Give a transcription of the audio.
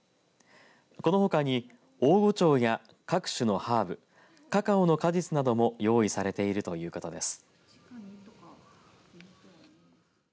このほかにオオゴチョウや各種のハーブカカオの果実なども用意されているということです。